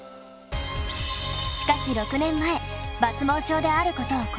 しかし６年前抜毛症であることを公表。